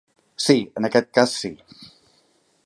Si, en aquest cas sí.